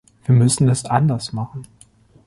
Wir müssen es anders machen.